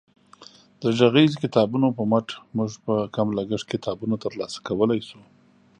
د غږیزو کتابونو په مټ موږ په کم لګښت کتابونه ترلاسه کولی شو.